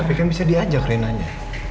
tapi kan bisa diajak reina nya